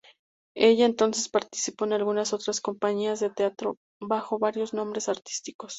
Ella entonces participó en algunas otras compañías de teatro bajo varios nombres artísticos.